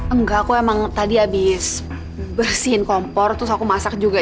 enggak aku emang tadi habis bersihin kompor terus aku masak juga